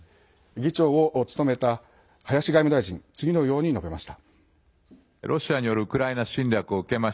議長を務めた林外務大臣次のように述べました。